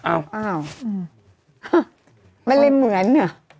อ้าวมันเลยเหมือนอ่ะ